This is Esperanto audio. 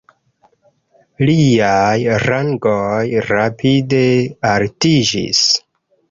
Liaj rangoj rapide altiĝis.